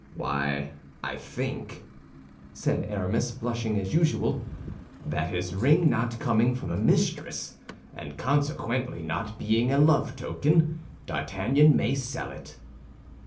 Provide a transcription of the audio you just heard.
"Why, I think," said Aramis, blushing as usual, "that his ring not coming from a mistress, and consequently not being a love token, D'Artagnan may sell it."